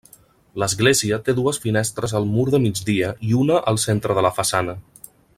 L'església té dues finestres al mur de migdia i una al centre de la façana.